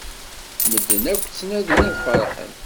Medden akk ttnadin ad feṛḥen.